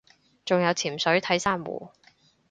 仲有潛水睇珊瑚